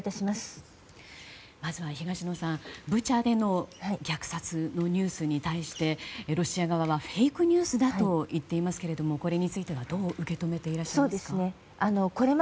まずは東野さん、ブチャでの虐殺のニュースに対してロシア側はフェイクニュースだと言っていますけれどもこれについては、どう受け止めていらっしゃいますか。